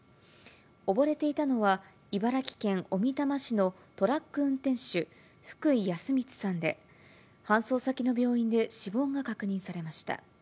溺れていたのは、茨城県小美玉市のトラック運転手、福井康光さんで、搬送先の病院で死亡が確認されました。